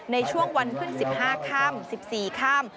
ในช่วงวันขึ้น๑๕ข้าม๑๔ข้าม